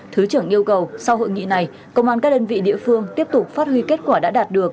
thứ trưởng yêu cầu sau hội nghị này công an các đơn vị địa phương tiếp tục phát huy kết quả đã đạt được